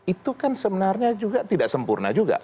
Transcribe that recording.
itu kan sebenarnya juga tidak sempurna juga